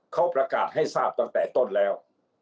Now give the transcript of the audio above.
เขาประกาศให้ทราบตั้งแต่ต้นแล้ว